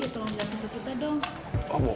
tolong jatuh ke kita dong